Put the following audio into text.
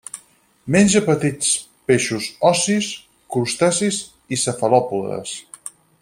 Menja petits peixos ossis, crustacis i cefalòpodes.